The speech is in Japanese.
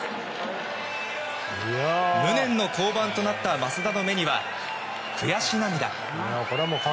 無念の降板となった益田の目には悔し涙。